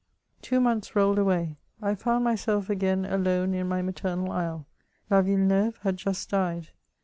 Two months rolled away ; I found myself again alone in my maternal isle ; la Yilleneuve had just died.